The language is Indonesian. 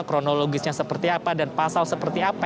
kronologisnya seperti apa dan pasal seperti apa